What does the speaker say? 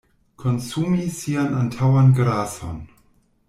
Konsumi sian antaŭan grason.